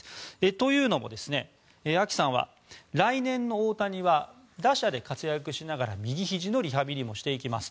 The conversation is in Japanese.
というのも、ＡＫＩさんは来年の大谷は打者で活躍しながら右ひじのリハビリもしていきます。